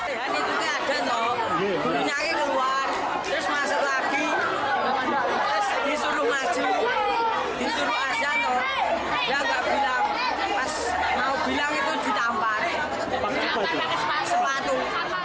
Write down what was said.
dan itu ada noh bunyinya keluar terus masuk lagi terus disuruh maju disuruh azan noh dia gak bilang pas mau bilang itu ditampar